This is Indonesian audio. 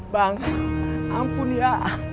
bang ampun ya